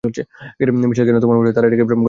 মিশেল, কেন তোমার মনেহয়, তারা এটাকে প্রেম করা বলে?